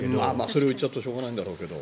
それを言っちゃうとしょうがないんだろうけど。